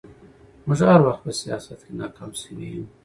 موږ هر وخت په سياست کې ناکام شوي يو